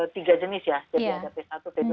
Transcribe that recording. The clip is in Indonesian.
tiga jenis ya jadi ada t satu t dua